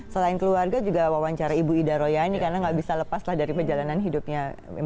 selain keluarga juga wawancara ibu ida royani karena gak bisa lepas lah dari perjalanan hidupnya